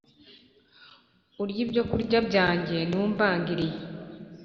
Urya ibyokurya byanjye ni we umbangiriye